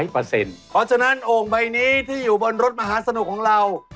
เพราะฉะนั้นโอ่งใบนี้ที่อยู่บนรถมหาสนุกของเรา